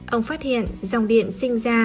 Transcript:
ông phát hiện dòng điện sinh ra